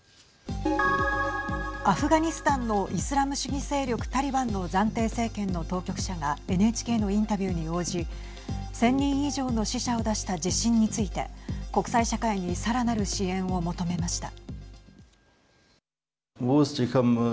アフガニスタンのイスラム主義勢力タリバンの暫定政権の当局者がＮＨＫのインタビューに応じ１０００人以上の死者を出した地震について国際社会にさらなる支援を求めました。